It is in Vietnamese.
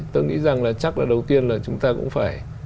tôi nghĩ rằng là chắc là đầu tiên là chúng ta cũng phải